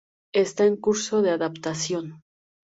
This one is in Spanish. Está en curso de adaptación.